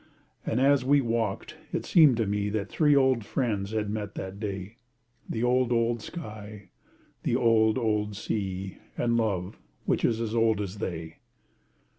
And as we walked it seemed to me That three old friends had met that day, The old, old sky, the old, old sea, And love, which is as old as they.